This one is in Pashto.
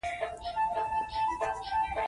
او ناروغ مناسب ځواب ورنکړي، حساسیت ټسټ حتمي دی.